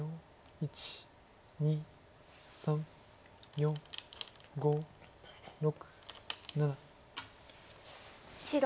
１２３４５６。